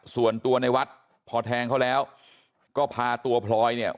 ส่วนตัวในวัดพอแทงเขาแล้วก็พาตัวพลอยเนี่ย